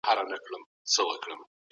یاد په درنښت ساتي